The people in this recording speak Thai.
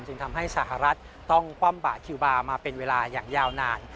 จึงทำให้สหรัฐต้องคว่ำบาดคิวบาร์มาเป็นเวลาอย่างยาวนาน